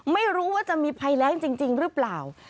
ไม่รู้ว่าจะมีภัยแรงจริงหรือเปล่า